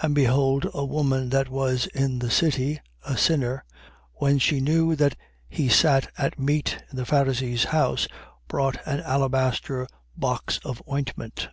And behold a woman that was in the city, a sinner, when she knew that he sat at meat in the Pharisee's house, brought an alabaster box of ointment.